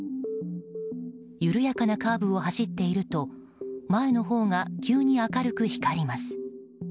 緩やかなカーブを走っていると前のほうが急に明るく光ります。